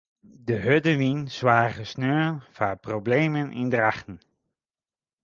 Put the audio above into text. De hurde wyn soarge sneon foar problemen yn Drachten.